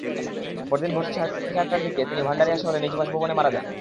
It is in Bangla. পরদিন ভোর সাড়ে চারটার দিকে তিনি ভান্ডারিয়া শহরে নিজ বাসভবনে মারা যান।